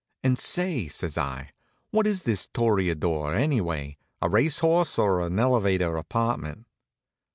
"And say," says I, "what is this Toreador, anyway; a race horse, or an elevator apartment?"